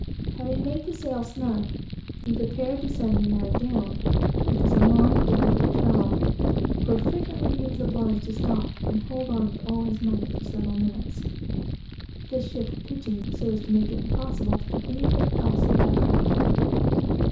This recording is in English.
Having made the sail snug, he prepared to send the yard down, which was a long and difficult job; for, frequently, he was obliged to stop and hold on with all his might, for several minutes, the ship pitching so as to make it impossible to do anything else at that height.